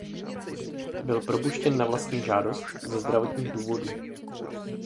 Byl propuštěn na vlastní žádost ze zdravotních důvodů.